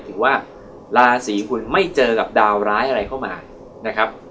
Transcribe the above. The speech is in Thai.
ถือว่าราศีคุณไม่เจอกับดาวร้ายอะไรเข้ามานะครับ